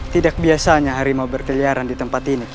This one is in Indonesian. tidak biasanya harimau berkeliaran di tempat ini